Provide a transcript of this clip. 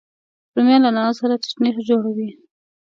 رومیان له نعنا سره چټني جوړوي